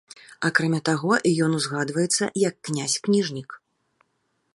Акрамя таго ён узгадваецца як князь-кніжнік.